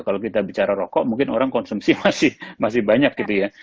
kalau kita bicara rokok mungkin orang konsumsi masih banyak gitu ya